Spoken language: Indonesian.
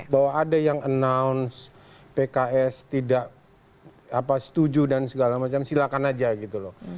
bahwa ada yang announce pks tidak setuju dan segala macam silakan aja gitu loh